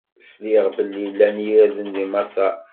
Sliɣ belli llan yirden di Maṣer.